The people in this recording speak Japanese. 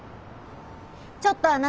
ちょっとあなた。